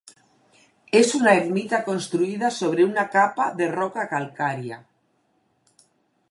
És una ermita construïda sobre una capa de roca calcària.